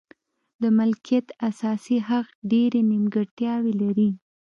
د مالکیت اساسي حق ډېرې نیمګړتیاوې لري.